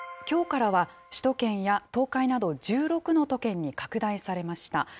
きょうからは、首都圏や東海など１６の都県に拡大されました。